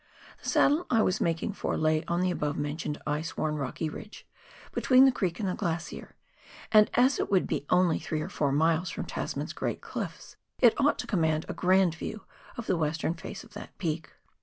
The saddle I was making for lay on the above mentioned ice worn rocky ridge, between the creek and the glacier, and as it would be only three or four miles from Tasman's great clifis, it ought to command a grand view of the western face of that peak.